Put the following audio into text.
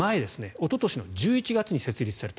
おととしの１１月に設立された。